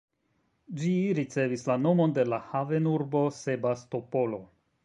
Ĝi ricevis la nomon de la havenurbo Sebastopolo.